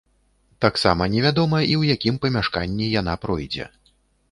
Таксама невядома і ў якім памяшканні яна пройдзе.